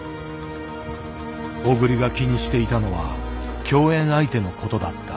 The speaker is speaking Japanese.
小栗が気にしていたのは共演相手のことだった。